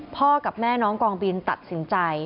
กับแม่น้องกองบินตัดสินใจ